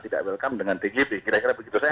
tidak welcome dengan tgb kira kira begitu saya